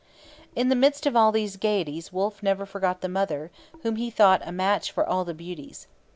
In the midst of all these gaieties Wolfe never forgot the mother whom he thought 'a match for all the beauties.'